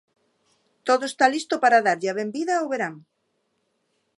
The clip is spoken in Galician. Todo está listo para darlle a benvida ao verán.